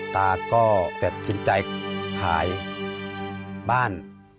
ตาก็ตัดสินใจขายบ้าน